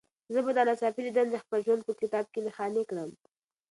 زه به دا ناڅاپي لیدنه د خپل ژوند په کتاب کې نښاني کړم.